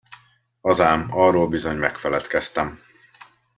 Az ám, arról bizony megfeledkeztem!